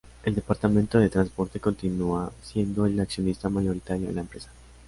El Departamento de Transporte continúa siendo el accionista mayoritario en la empresa.